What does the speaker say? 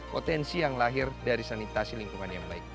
potensi yang lahir dari sanitasi lingkungan yang baik